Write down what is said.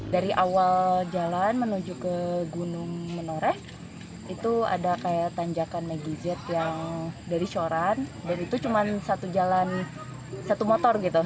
dari awal jalan menuju ke gunung menoreh itu ada kayak tanjakan megi z yang dari soran dan itu cuma satu jalan satu motor gitu